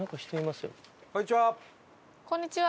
こんにちは。